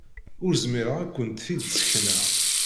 Ur zmireɣ ad kent-t-id-ssekneɣ.